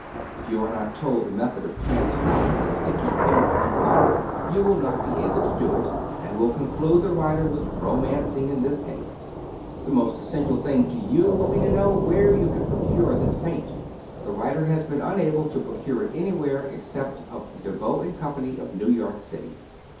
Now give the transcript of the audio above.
If you are not told the method of transforming the sticky paint to powder, you will not be able to do it, and will conclude the writer was romancing in this case. The most essential thing to you will be to know where you can procure this paint. The writer has been unable to procure it anywhere, except of Devoe & Co., of New York City.